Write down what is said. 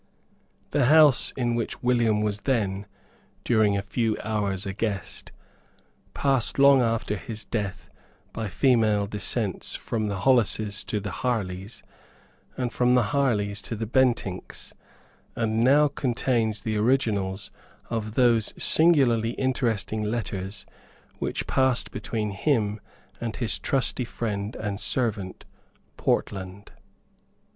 The house in which William was then, during a few hours, a guest, passed long after his death, by female descents, from the Holleses to the Harleys, and from the Harleys to the Bentincks, and now contains the originals of those singularly interesting letters which passed between him and his trusty friend and servant Portland.